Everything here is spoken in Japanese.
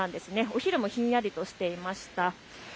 お昼もひんやりとしていました。